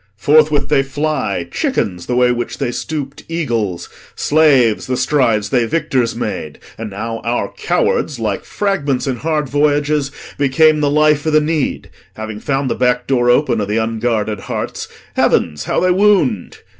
Forthwith they fly, Chickens, the way which they stoop'd eagles; slaves, The strides they victors made; and now our cowards, Like fragments in hard voyages, became The life o' th' need. Having found the back door open Of the unguarded hearts, heavens, how they wound!